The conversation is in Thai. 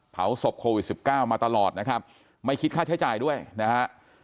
เผาศพโควิด๑๙มาตลอดนะครับไม่คิดค่าใช้จ่ายด้วยนะฮะ